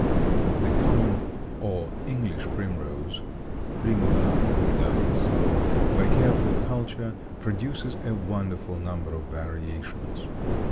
The common or English primrose (Primula vulgaris), by careful culture, produces a wonderful number of variations.